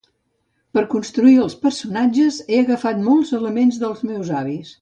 Per construir els personatges he agafat molts elements dels meus avis.